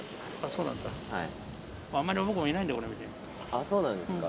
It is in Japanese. ああそうなんですか。